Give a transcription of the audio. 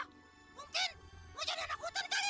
mungkin mau jadi anak hutan kali